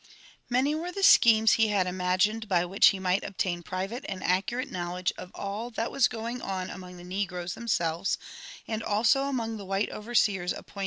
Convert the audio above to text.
Many were the schemes he had imagined by which he might obtain private and accurate knowledge of all that was going on among the negroes themselves, and also among the white overseers appointe.